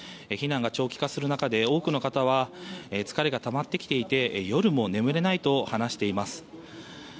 避難が長期化する中で多くの方は疲れがたまってきていて夜も眠れないと話しています。